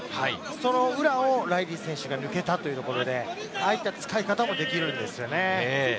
その裏をライリー選手が抜けたというところで、ああいった使い方もできるんですよね。